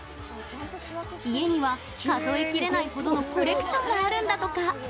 家には数え切れないほどのコレクションがあるんだとか。